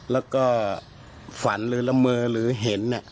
แล้วก็ฝันหรือละเมอหรือเห็น